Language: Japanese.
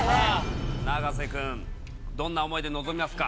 永瀬君、どんな想いで臨みますか。